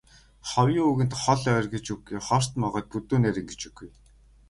Ховын үгэнд хол ойр гэж үгүй, хорт могойд бүдүүн нарийн гэж үгүй.